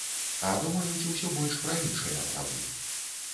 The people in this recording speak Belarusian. А думаюць усё больш пра іншыя правы.